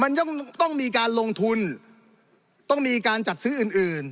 มันต้องมีการลงทุนต้องมีการจัดซื้ออื่นอื่น